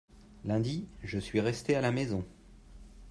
lundi je suis resté à la maison.